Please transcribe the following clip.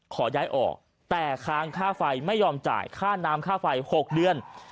ขอย้ายออกแต่ค้างค่าไฟไม่ยอมจ่ายค่าน้ำค่าไฟ๖เดือน